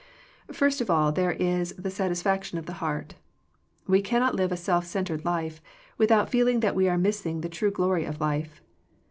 First of all there is the satisfaction of the heart We cannot live a self centred life, without feeling that we are missing the true glory of life.